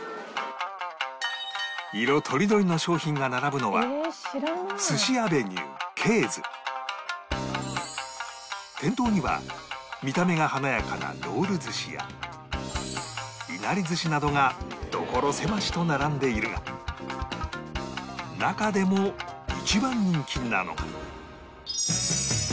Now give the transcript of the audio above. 色とりどりの商品が並ぶのは店頭には見た目が華やかなロール寿司やいなり寿司などが所狭しと並んでいるが中でも一番人気なのが